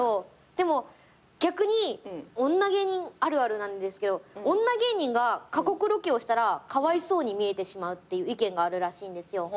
でも逆に女芸人あるあるなんですけど女芸人が過酷ロケをしたらかわいそうに見えてしまうっていう意見があるらしいんですよ。